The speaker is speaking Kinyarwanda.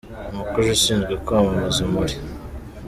Umukozi ushinzwe kwamamaza muri.